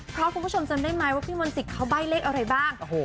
เพราะคุณผู้ชมจำได้ไหมว่าพี่มนตรีเขาใบ้เลขอะไรบ้าง